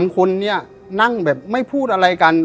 ๓คนนี้นั่งแบบไม่พูดอะไรกัน